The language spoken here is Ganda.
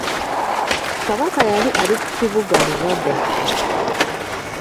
Kabaka yali ali ku kibuga Rubaga.